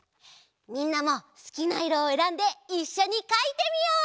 みんなもすきないろをえらんでいっしょにかいてみよう！